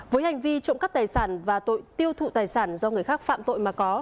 với hành vi trộm cắp tài sản và tội tiêu thụ tài sản do người khác phạm tội mà có